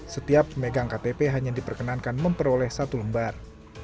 setiap pemegang ktp hanya diperkenankan memperoleh satu lembar